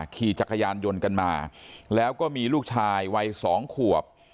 ขี่จักรยานยนต์กันมาแล้วก็มีลูกชายวัย๒ขวบ